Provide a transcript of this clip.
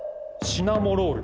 シナモロール。